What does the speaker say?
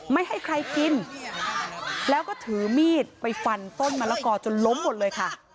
ไม่ให้ใครกินแล้วก็ถือมีดไปฟันต้นมะละกอจนล้มหมดเลยค่ะ